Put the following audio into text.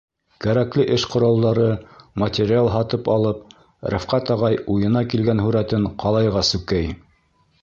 Кәрәкле эш ҡоралдары, материал һатып алып, Рәфҡәт ағай уйына килгән һүрәтен ҡалайға сүкей.